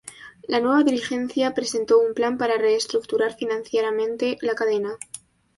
La nueva dirigencia presentó un plan para reestructurar financieramente la cadena.